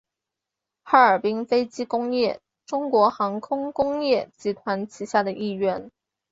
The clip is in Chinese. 哈尔滨飞机工业中国航空工业集团旗下一员。